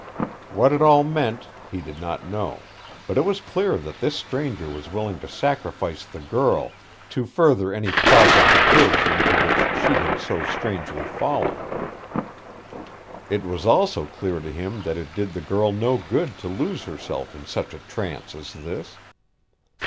What it all meant he did not know, but it was clear that this stranger was willing to sacrifice the girl to further any project of his into which she had so strangely fallen. It was also clear to him that it did the girl no good to lose herself in such a trance as this.